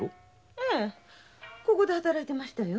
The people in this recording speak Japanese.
ええここで働いていましたよ。